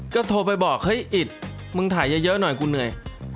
ก็โทรไปบอกเฮ้ยอิดมึงถ่ายเยอะหน่อยกูเหนื่อย